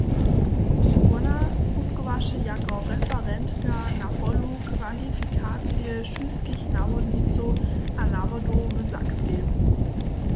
Wona skutkowaše jako referentka na polu kwalifikacije šulskich nawodnicow a nawodow w Sakskej.